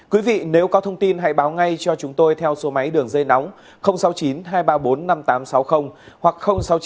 quý vị nếu có thông tin hãy báo ngay cho chúng tôi theo số máy đường dây nóng sáu mươi chín hai trăm ba mươi bốn năm nghìn tám trăm sáu mươi hoặc sáu mươi chín hai trăm ba mươi một một nghìn sáu trăm bảy